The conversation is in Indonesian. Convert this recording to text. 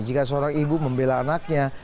jika seorang ibu membela anaknya